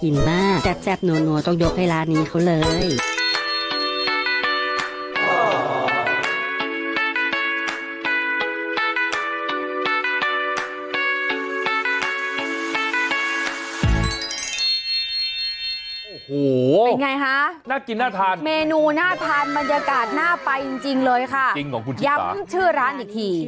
ย้ำชื่อร้านอีกที